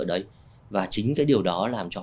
đấy và chính cái điều đó làm cho